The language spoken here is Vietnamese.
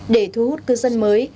để thu hút cư dân mới